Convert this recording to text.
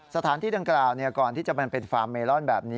สถานที่ดังกล่าวก่อนที่จะมันเป็นฟาร์มเมลอนแบบนี้